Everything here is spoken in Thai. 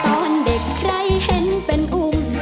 ตอนเด็กใครเห็นเป็นอุ